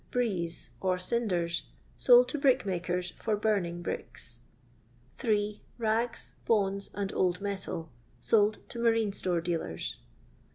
firiese," or cinders, sold to brickmakers, for burning bricks. d. Rags, bones, and old metal, sold to marine store deslers.